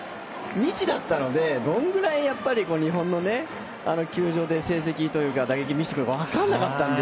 未知だったのでどのぐらい日本の球場で打撃を見せてくれるか分からなかったので。